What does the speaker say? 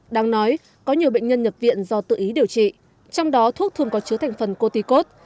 đáng nói có nhiều bệnh nhân nhập viện do tự ý điều trị trong đó thuốc thường có chứa thành phần cortico